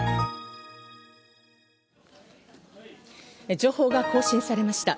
情報が更新されました。